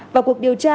vào cuộc điều tra